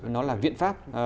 nó là viện pháp